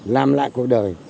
làm lại cuộc đời